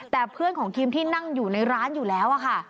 แต่เพื่อนของคิมที่นั่งอยู่ในร้านอยู่แล้วค่ะ